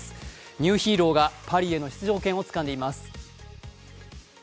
ニューヒーローがパリへの出場権をつかんでいます。